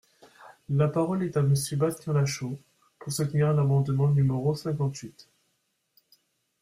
La parole est à Monsieur Bastien Lachaud, pour soutenir l’amendement numéro cinquante-huit.